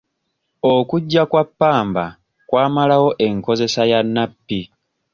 Okujja kwa pampa kwamalawo enkozesa ya nappi.